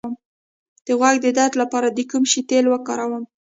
د غوږ د درد لپاره د کوم شي تېل وکاروم؟